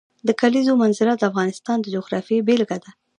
د کلیزو منظره د افغانستان د جغرافیې بېلګه ده.